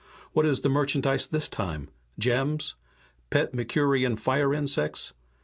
What is the merchandise this time? Gems? Pet Mercurian fire insects?